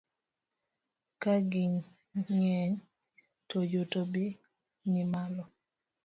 Ka ging'eny to yuto be nimalo,